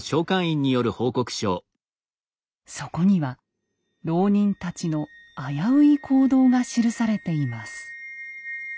そこには牢人たちの危うい行動が記されています。